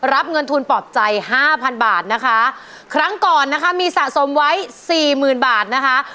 รับเงินทุนปลอบใจห้าพันบาทนะคะครั้งก่อนนะคะมีสะสมไว้สี่หมื่นบาทนะคะ